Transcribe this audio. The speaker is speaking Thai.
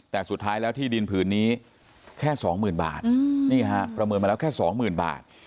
แต่สุดท้ายแล้วที่ดินผืนนี้แค่สองหมื่นบาทนี่ฮะประเมินมาแล้วแค่สองหมื่นบาท